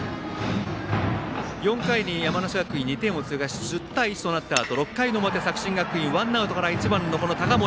４回に山梨学院、２点を追加して１０対１となったあと６回の表、作新学院ワンアウトから１番の高森。